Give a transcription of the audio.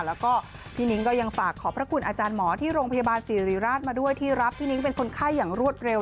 แล้วก็พี่นิ้งก็ยังฝากขอบพระคุณอาจารย์หมอที่โรงพยาบาลสิริราชมาด้วยที่รับพี่นิ้งเป็นคนไข้อย่างรวดเร็ว